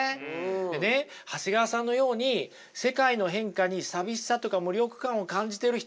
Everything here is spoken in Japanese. でね長谷川さんのように世界の変化に寂しさとか無力感を感じてる人にね